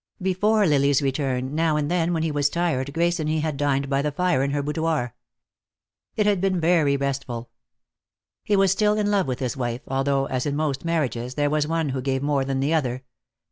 Before Lily's return, now and then when he was tired Grace and he had dined by the fire in her boudoir. It had been very restful. He was still in love with his wife, although, as in most marriages, there was one who gave more than the other.